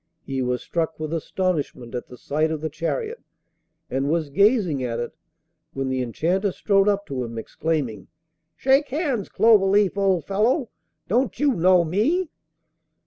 He was struck with astonishment at the sight of the chariot, and was gazing at it, when the Enchanter strode up to him, exclaiming: 'Shake hands, Cloverleaf, old fellow! Don't you know me?